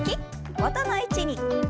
元の位置に。